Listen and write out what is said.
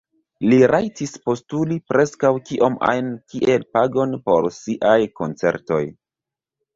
Li rajtis postuli preskaŭ kiom ajn kiel pagon por siaj koncertoj.